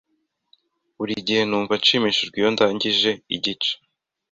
Buri gihe numva nshimishijwe iyo ndangije igice.